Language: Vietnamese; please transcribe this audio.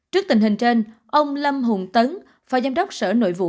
trước tình hình trên ông lâm hùng tấn phó giám đốc sở nội vụ